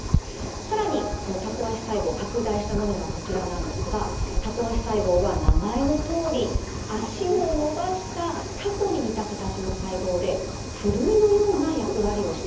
更にそのタコ足細胞拡大したものがこちらなんですがタコ足細胞は名前のとおり足を伸ばしたタコに似た形の細胞でふるいのような役割をしています。